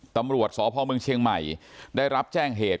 ตำรวจสพเมืองเชียงใหม่ได้รับแจ้งเหตุ